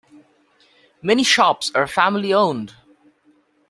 Many shops are family-owned.